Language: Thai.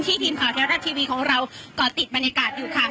ที่ทีมขาวเทวรักษณ์ทีวีของเราก็ติดบรรยากาศอยู่ค่ะ